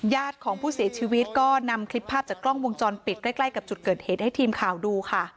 ญาติของผู้เสียชีวิตก็นำคลิปภาพจากกล้องวงจรปิดใกล้กับจุดเกิดเหตุให้ทีมข่าวดูค่ะ